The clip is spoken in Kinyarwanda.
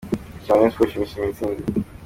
Abakinnyi ba Rayon Sports bishimira intsinzi .